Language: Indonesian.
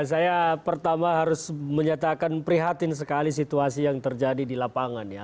saya pertama harus menyatakan prihatin sekali situasi yang terjadi di lapangan ya